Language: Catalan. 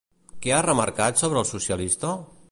Què ha remarcat sobre el socialista?